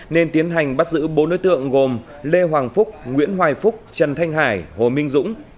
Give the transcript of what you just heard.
nên tiến hành bắt giữ bốn đối tượng gồm lê hoàng phúc nguyễn hoài phúc trần thanh hải hồ minh dũng